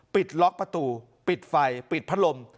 ปิดล็อกประตูปิดไฟปิดพัดลม